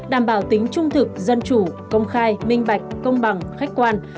đảm bảo tính trung thực dân chủ công khai minh bạch công bằng khách quan